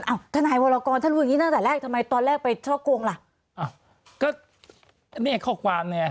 อ้าวท่านหายวรกรท่านรู้อย่างนี้ตั้งแต่แรก